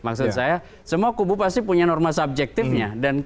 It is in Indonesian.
maksud saya semua kubu pasti punya norma subjektifnya